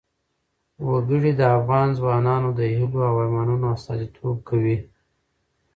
وګړي د افغان ځوانانو د هیلو او ارمانونو استازیتوب کوي.